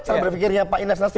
secara berpikirnya pak inas nasroa